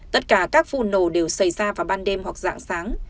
tất cả các vụ nổ đều xảy ra vào ban đêm hoặc dạng sáng